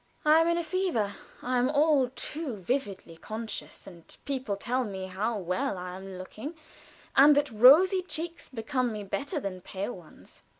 I am in a fever; I am all too vividly conscious, and people tell me how well I am looking, and that rosy cheeks become me better than pale ones.